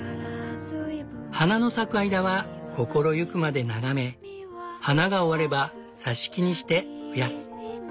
花の咲く間は心ゆくまで眺め花が終われば挿し木にして増やす。